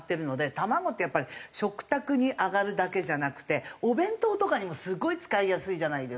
卵ってやっぱり食卓に上がるだけじゃなくてお弁当とかにもすごい使いやすいじゃないですか。